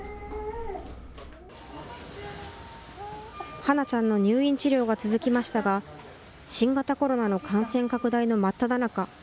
華名ちゃんの入院治療が続きましたが、新型コロナの感染拡大の真っただ中。